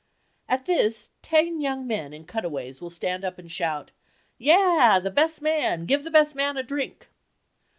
At this, ten young men in cutaways will stand up and shout, "Yeaaa—the best man—give the best man a drink!"